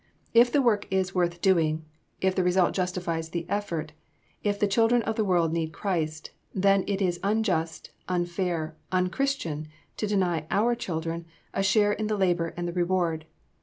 If the work is worth doing, if the result justifies the effort, if the children of the world need Christ, then it is unjust, unfair, un Christian, to deny our children a share in the labor and the reward.